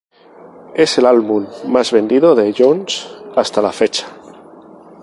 Es el álbum más vendido de Jones hasta la fecha.